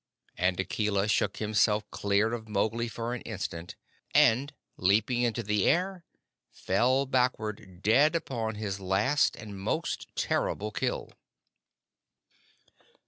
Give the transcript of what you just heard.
and Akela shook himself clear of Mowgli for an instant, and, leaping into the air, fell backward dead upon his last and most terrible kill.